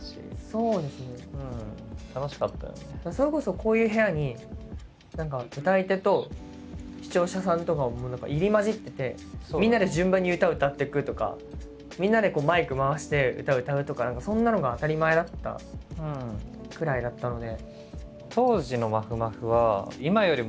それこそこういう部屋に何か歌い手と視聴者さんとかも何か入り交じっててみんなで順番に歌を歌ってくとかみんなでこうマイク回して歌を歌うとか何かそんなのが当たり前だったくらいだったので。